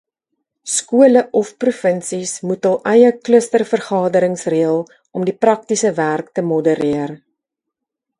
Skole of provinsies moet hul eie klustervergaderings reël om die praktiese werk te modereer.